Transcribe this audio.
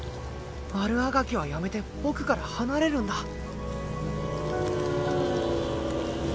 悪あがきはやめて僕から離れるんだ。